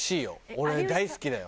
俺は大好きだよ。